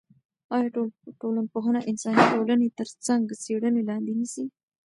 آیا ټولنپوهنه انساني ټولنې تر څېړنې لاندې نیسي؟